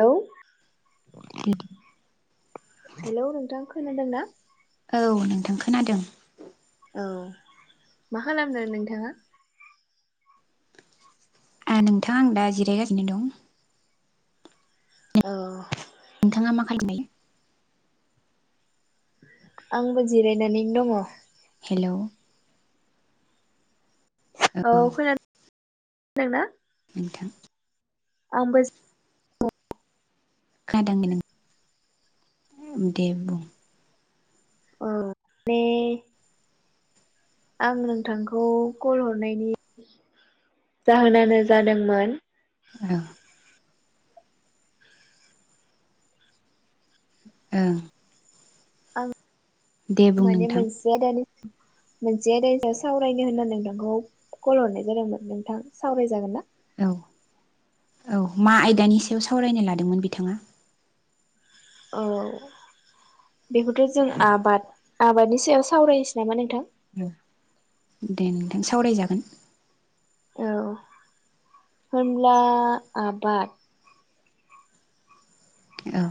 Hello hello नोंथां खोनादों ना? औ नोंथां खोनादों। औ मा खालामदो नोंथाङा? ओ नोंथाङा आं दा जिरायगासिनो दं। औ। नोंथाङा मा खालामनाय आंबो जिरायनानैनो दङ। हेलौ औ खोना दोंना थां आंबो [unintelligible] खोनादों नोंथ दे बुं। औ माने आं नोंथांखौ कल हरनायनि जाहोनानो जादोंमोन औ ओं आं दे बुं माने नोंथां मोनसे आयदानि मोनसे आयदानि सायाव सावरायनो होनना नोंथांखौ कल हरनाय जादोंमोन नोंथां सावरायजागोन ना? औ औ मा आयदानि सायाव सावरायनो लादोंमोन बिथाङा? औ बेखौथ जों आबाद आबादनि सायाव सावरायनोसै नामा नोंथां दे नोंथां सावरायजागोन। औ होनब्ला आबाद औ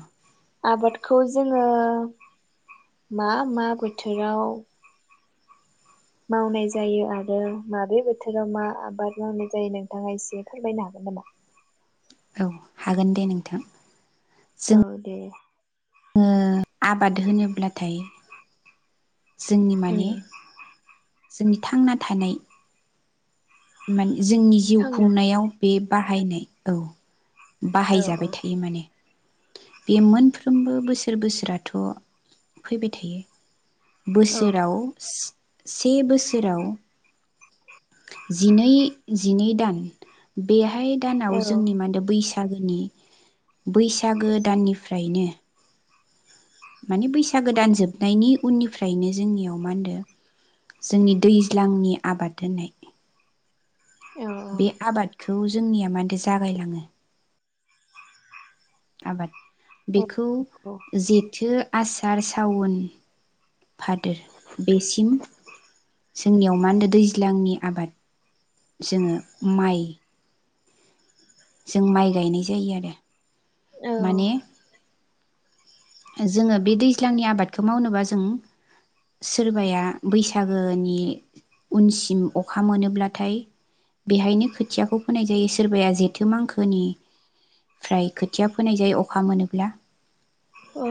आबादखौ जोङो मा मा बोथोराव मावनाय जायो आरो माबे बोथोराव मा आबाद मावनाय जायो नोंथाङा एसे फोरमायनो हागोन नामा? औ हागोन दे नोंथां। जों औ दे। आबाद होनोब्लाथाय जोंनि माने जोंनि थांना थानाय मान जोंनि जिउ थांनो खुंनायाव बे बाहायनाय औ औ बाहायजाबाय थायो माने। बे मोनफ्रोमबो बोसोर बोसोराथ फैबाय थायो। औ औ बोसोराव सि से बोसोराव जिनै जिनै दान बे हाय दानाव जोंनि औ मा होनदो बैसाग यागोनि बैसागो दाननिफ्रायनो माने बैसागो दान जोबनायनि उननिफ्रायनो जोंनियाव मा होनदो जोंनि दैज्लांनि आबाद होननाय औ बे आबादखो औ जोंनिया मानदो जागायलाङो। आबाद बेखौ जेथो आसार सावुन फादोर बेसिम जोंनियाव मा होनदो दैज्लांनि आबाद जोङो माइ जों माइ गायनाय जायो आरो। औ ओ जोङो बे दैज्लांनि आबादखौ मावनोबा जों सोरबाया बैसागोनि उनसिम अखा मोनोब्लाथाय बेहायनो खोथियाखौ फोनाय जायो सोरबाया जेथो मांखो निफ्राय खोथिया फोनाय जायो अखा मोनोब्ला। औ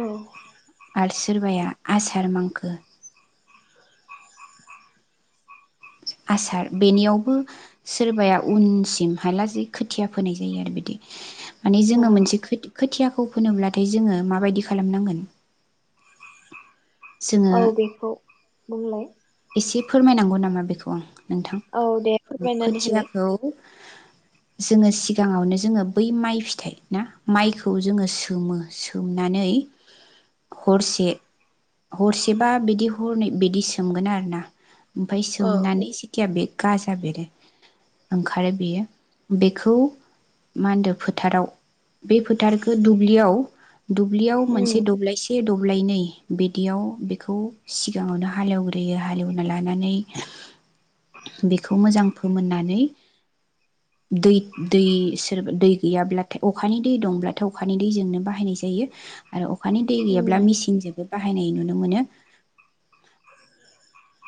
आर सोरबाया आसार मांखो आसार बेनियावबो सोरबाया उनसिम हालासेै खोथिया फोनाय जायो आरो बिदि। माने औ जोङो मोनसे खोद खोथिया खौ फोननोलाथाय जोङो माबायदि खालामनांगोन जोङो औ बेखौ बुंलाय? थि फोरमायनांगौ नामा बेखौ आं नोंथां औ दे फोरमायनानै होलाय खोथियाखौ जोङो सिगाङावनो जोङो बै माइ फिथाइ ना माइखौ जोङो सोमो सोमनानै हरसे हरसेबा बिदि हरनै बिदि सोमगोन आरो ना ओमफाय औ सोमनानै सिथिया बे गाजा बेरो ओंखारो बेयो बेखौ मा होनदो फोथाराव बे फोथारखौ दुब्लियाव दुब्लियाव उम मोनसे दब्लायसे ए दब्लायनै बिदियाव बेखौ सिगाङावनो हालेव ग्रोयो। हालौवना लानानै बेखौ मोजां फोमोननानै दै दै सो दै गैयाब्लाथाय अखानि दै दंब्लाथाय अखानि दैजोंनो बाहायनाय जायो आरो अखानि दै गैयाब्ला उम मिसिनजोबो बाहायनाय नुनो मोनो।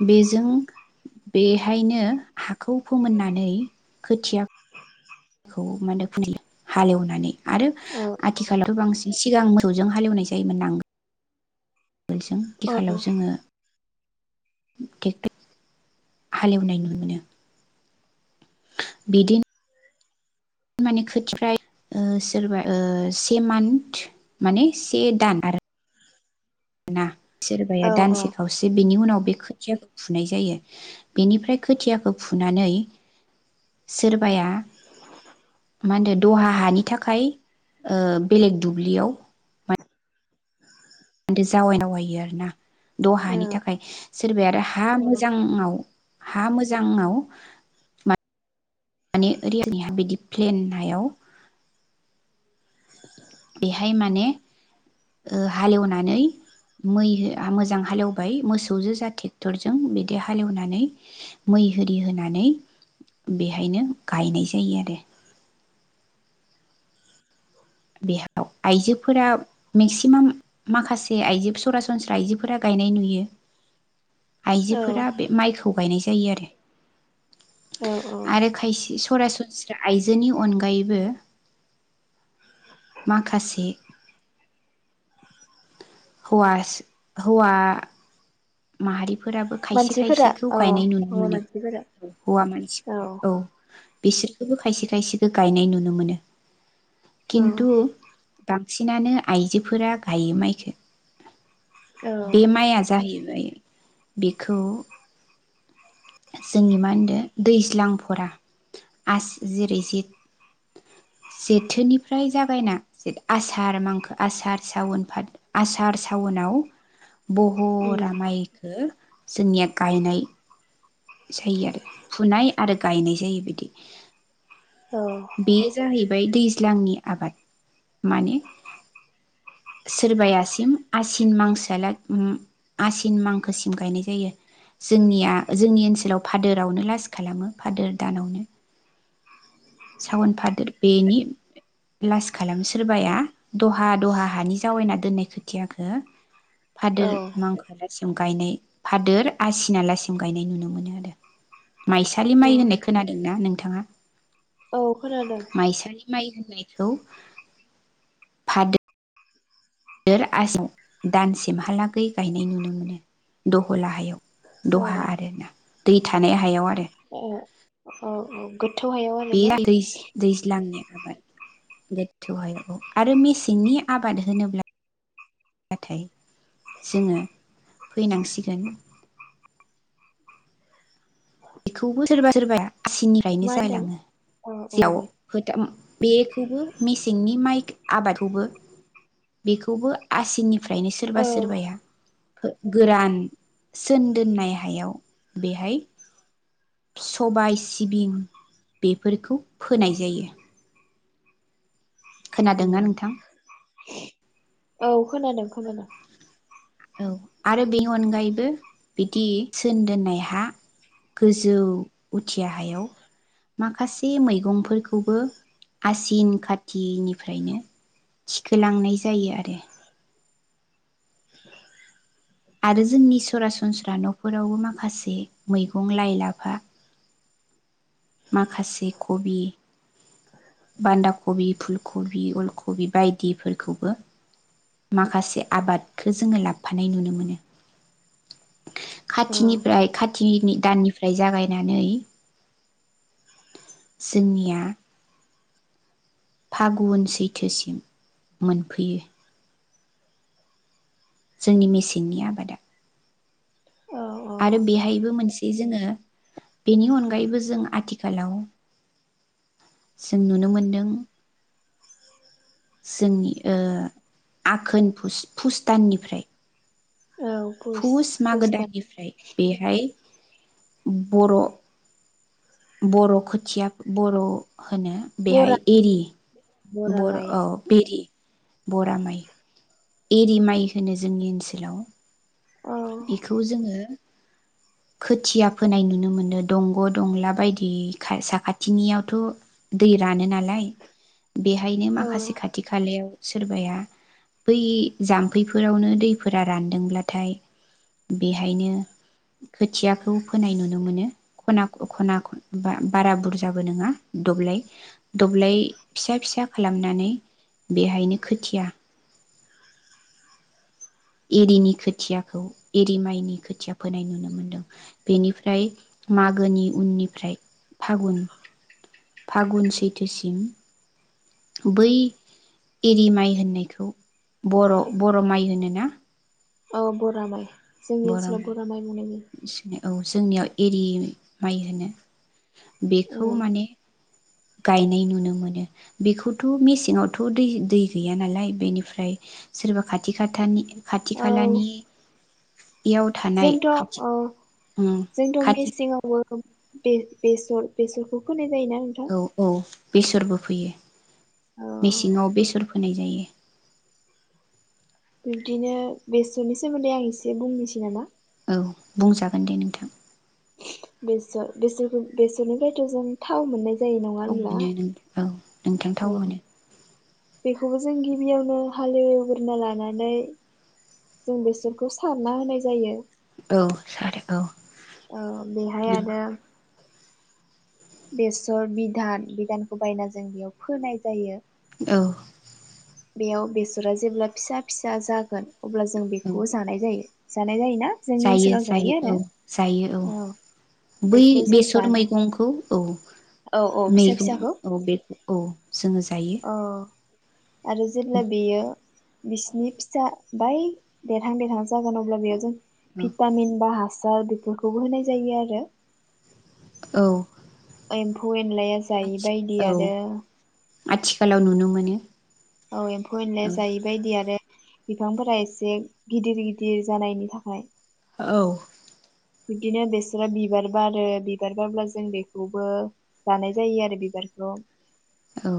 बेजों बेहायनो हाखौ फोमोननानै खोथिया खौ मा होनदो [unintelligible] हालेवनानै आरो औ आथिखालावथ' बांसिन सिगां सौजों हालेवनाय जायोमोन नांगोल गोलजों औ आथिखालाव जोङो टेक हालेवनाय नुनो मोनो। बिदि माने खोथिफ्राय ओ सोरबा ओ से मान्थ माने से दान आरो ना सोरबाया औ दानसे औ खावसे बिनि उनाव बे खोथियाखो फुनाय जायो बिनिफ्राय खोथियाखौ फुनानै सोरबाया मा होनदो दहा हानि थाखाय ओ बेलेग दुब्लियाव दो जावाय जावायो आरो ना। दहानि थाखाय सोरबाया आरो हा मोजां आव हा मोजां आव मा माने ओरैबिदि प्लेन हायाव बेहाय माने ओ हालेवनानै मै हो मोजां हालेवबाय मोसौजो जा टेक्टरजों बिदि हालेवनानै मै होरि होनानै बेहायनो गायनाय जायो आरो। बेहाव आइजोफोरा मेक्सिमाम माखासे आइजो सरासनस्रा आइजोफोरा गायनाय नुयो। औ आइजोफोरा बे माइखौ गायनाय जायो आरो। औ औ आरो खायसे सरासनस्रा आइजोनि अनगायैबो माखासे हौवास हौवा माहारि फोराबो खायसे मानसिफोरा खायसेखौ औ गायनाय नुनो औ मोनो मानसिफोरा हौवा मानसिफोर औ। बिसोरखोबो खायसे खायसेखो गायनाय नुनो मोनो। औ किन्तु दाम बांसिनानो आइजोफोरा गायो माइखो। औ बे माइया जाहैयो फाय बेखौ जोंनि मा होनदो दैज्लां भरा आसि जेरै जे- जेथोनिफ्राय जागायना आसार मांखो आसार, सावन, भाद आसार सावनाव बहरा उम मायखो जोंनिया गायनाय जायो आरो फुनाय आरो गायनाय जायो बिदि। औ बेयो जाहैबाय दै गिांनि आबाद माने सोरबायासिम आसिन मासोलाग उम आसिन मांखोसिम गायनाय जायो जोंनिया जोंनिया ओनसोल ओनसोलाव फादोरावनो लास खालामो फादोर दानावनो सावन फादोर बेनि लास खालामो सोरबाया दहा दहा हानि जावैना दोननाय खोथियाखो औ फादोर मांखोरासिं गायनाय फादोर आसिनालासिम गायनाय नुनो मोनो आरो माइसालि माइ उम होननाय खोनादों न नों बिथांङा औ खोनादों। बिखौ बादर दोर आसामाव दानसेमहालागै गायनाय नुनो मोनो दह लाहायाव। औ दहा आरोना दै थानाय हायाव आरो ए औ औ गोथौ हायाव आरो बे ना दै दैज्लांनि गोथौह औ आरो मेसेंनि आबाद होनोब्लाथाय जोङो फैनांसिगोन बेखौबो सोरबा सोरबा आसिनिफ्रायनो मा होनदों जागायलाङो औ औ जेव दे होदाम बेखौबो मेसेंनि माइ आबादखौबो बेखौबो आसिनि ओमफ्रायनो सोरबा औ सोरबाया गोरान सोन दोननाय हायाव बेहाय सबाय सिबिं बेफोरखौ फोनाय जायो। खोनादोंना उम नोंथां? औ खोनादों खोनादों। औ आरो बेनि अनगायैबो बिदि सोन दोननाय हा गोजौ उथिया हायाव माखासे मैगंफोरखौबो आसिन खाथिनिफ्रायनो थिखोलांनाय जायो आरो [inaudible] आरो जोंनि सरासनस्रा नफोरावबो माखासे मैगं लाइ लाफा माखासे खबि बान्दा गबि फुल खबि अलखबि बायदिफोरखौबो माखासे आबादखौ जोङो लाबोफानाय नुनो मोनो। औ खाथिनिफ्राय खाथिनि दाननि ओमफ्राय जागायनानै जोंनिया फागुन सैथोसिम मोनफैयो। जोंनि मेसेंनि आबादा। औ औ आरो बेहायबो मोनसे बो जोङो बेनि अनगायैबो जों आथिखालाव जों नुनो मोनदों जोंनि ओ आघोन फुस फुस दाननिफ्राय औ पुस फुस मागो पुस दान दाननिफ्राय बेहाय बर' बर' खोथिया बर' होनो बरा बेहाय एरि बरा औ बे बे बरा माइ एरि माइ होनो जोंनि ओन्सोलाव। औ बेखौ जोङो खोथिया फोनाय नुनो मोनो दंग दंला बायदि साखाथिनियावथ दै रानो नालाय बेहायनो औ माखासे खाथि खालायाव सोरबाया बै जाम्फैफोरावनो दैफोरा रानदोंब्लाथाय बेहायनो खोथियाखौ फोनाय नुनो मोनो खना ख-खना बा-बारा बुरजाबो नङा दब्लाय दब्लाय फिसा फिसा खालामनानै बेहायनो खोथिया एरिनि खोथियाखौ एरि माइनि खोथिया फोनाय नुनो मोन्दों। बेनिफ्राय मागोनि उननिफ्राय फागुन फागुन सैथोसिम बै एरि माइ होन्नायखौ बर' बर' माइ होनोना औ बरा माइ। जोंनि ओन्सोलाव बरा माइ मावनाय होनो। औ जोंनियाव एरि माइ होनो। बेखौ जायो माने गायनाय नुनो मोनो बेखौथ मेसेंआवथ दै दै गैया नालाय बेनिफ्राय सोरबा खाथि खाथानि खाथि औ औ खालानि याव थानाय जोंथ' खाथि औ उम जोंथ' खाथि मेसेङावबो बेसर बेसरखौ फोनाय जायोना नोंथां औ औ बेसरबो फोयो। औ मेसेङाव बेसर फोनाय जायो। बिब्दिनो बेसरनि सोमोन्दै आं एसे बुंनोसै नामा? औ बुंजागोन दे नोंथां। बेसर बेसरखौ बेसरनिफ्रायथ जों थाव मोन्नाय थाव मोनो नोंथां औ। नोंथां थाव मोनो। बेखौबो जों गिबियावनो हालेवग्रोना लानानै जों बेसरखौ सारना होनाय जायो। औ सारो औ। औ बेहाय नों आरो बेसर बिधान बिधानखौ बायना जों बेयाव फोनाय जायो। औ। बेयाव बेसरा जेब्ला फिसा फिसा जागोन अब्ला जों औ बेखौ जानाय जायो। जानाय जायो जोंनि जायो ओनसोलाव जायो आरो औ जायो औ बै बेखौ जों बेसर जानो मैगंखौ औ औ औ फिसा मैगं फिसाखौ औ बेखौ औ जोङो जायो। औ आरो जेब्ला बेयो। बिसिनि फिसा बाय देरहां देरहां जागोन अब्ला बेयाव जों भिटामिन बा हा [unintelligible] बेफोरखौबो होनाय जायो आरो। औ औ। एम्फु एन लाया आथि जायिबायदि औ आरो। आथिखालाव नुनो मोनो। औ एम्फौ एनलाय औ जायि बायदि आरो। बिफांफोरा एसे गिदिर गिदिर जानायनि थाखाय। औ। बिदिनो बेसोरा बिबार बारो बिबार बारब्ला जों बेखौबो जानाय जायो आरो बिबारखौ। औ।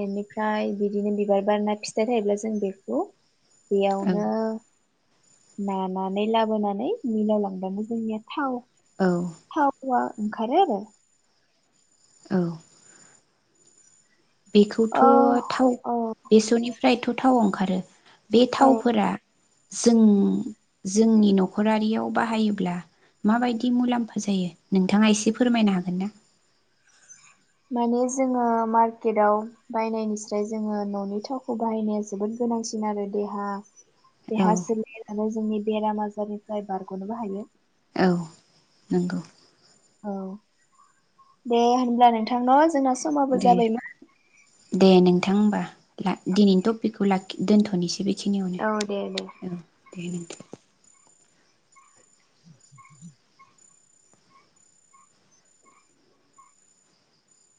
इनिफ्राय बिदिनो बिबार बारना फिथाइ थायोब्ला जों बेखौ। औ बेयावनो। नानानै लाबोनानै मिलाव लांबानो जोंनिया थाव। औ थाव आ। ओंखारो रो। औ। बेखौथ औ थाव औ बेसरनिफ्रायथ। थाव ओंखारो बे औ थावफोरा जों जोंनि नखरारियाव बाहायोब्ला माबायदि मुलाम्फा जायो नोंथाङा एसे फोरमायनो हागोन ना। माने जोङो मार्केटाव बायनायनिस्राय जोङो ननि थावखौ बाहायनाया जोबोद गोनांसिन आरो देहा। औ देहा सोलेर। आरो जोंनि बेराम आजारनिफ्राय बारगनोबो हायो। औ नंगौ। औ दे होनब्ला नोंथांनाव जोंना। समाबो दे जाबाय [unintelligible] दे नोंथां होमबा दिनैनि टपिकखौ लाखि दोनथनोसै बे। औ दे दे बेखिनियावनो औ दे [unintelligible] [inaudible]